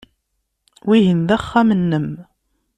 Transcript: Wihin d axxam-nnem.